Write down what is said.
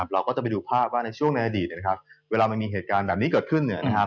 เราก็จะไปดูภาพว่าในช่วงในอดีตเวลามันมีเหตุการณ์แบบนี้เกิดขึ้น